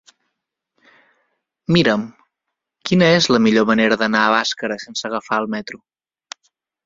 Mira'm quina és la millor manera d'anar a Bàscara sense agafar el metro.